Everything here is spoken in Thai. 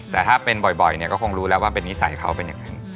แต่ถ้าเป็นบ่อยเนี่ยก็คงรู้แล้วว่าเป็นนิสัยเขาเป็นอย่างนั้น